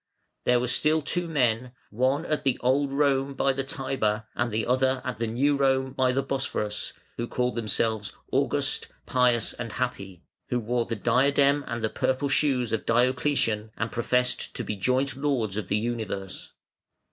There were still two men, one at the Old Rome by the Tiber, and the other at the New Rome by the Bosphorus, who called themselves August, Pious, and Happy, who wore the diadem and the purple shoes of Diocletian, and professed to be joint lords of the universe.